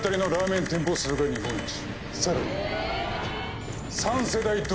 さらに。